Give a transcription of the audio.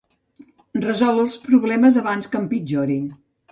Resol els problemes abans que empitjorin.